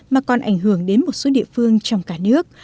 mà còn ảnh hưởng đến một số địa phương trong cả nước